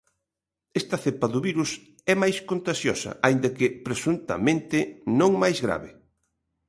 Esta cepa do virus é máis contaxiosa, aínda que presuntamente non máis grave.